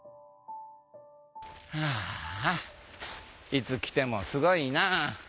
ハァアいつ来てもすごいなぁ。